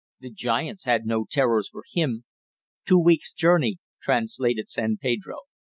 The giants had no terrors for him. "Two weeks journey," translated San Pedro.